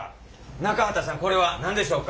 中畑さんこれは何でしょうか？